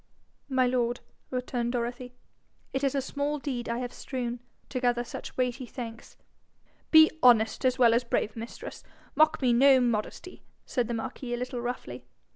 'My lord,' returned Dorothy, 'it is a small deed I have strewn to gather such weighty thanks.' 'Be honest as well as brave, mistress. Mock me no modesty.' said the marquis a little roughly.